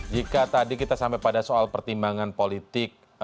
jika tadi kita sampai pada soal pertimbangan politik